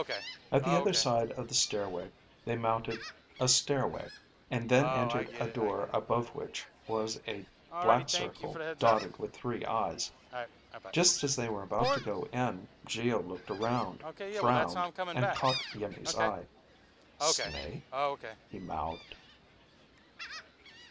At the other side of the stairway they mounted a stairway, and then entered a door above which was a black circle dotted with three eyes. Just as they were about to go in, Geo looked around, frowned, and caught Iimmi's eye. "Snake?" he mouthed.